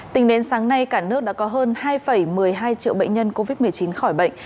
tính đến sáng nay cả nước đã có hơn hai một mươi hai triệu bệnh nhân covid một mươi chín khỏi bệnh